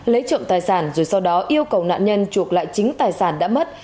lấy trộm tài sản rồi sau đó yêu cầu nạn nhân chuộc lại chính tài sản đã mất